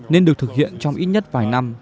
nên được thực hiện trong ít nhất vài năm